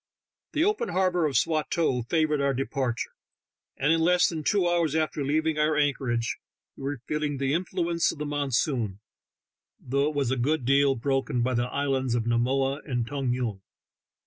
The open harbor of Swatow favored our departure, and in less than two hours after leav ing our anchor age we were feel ing the influence of the monsoon, though it was a good deal broken by the islands of Namoa and Tong Yung.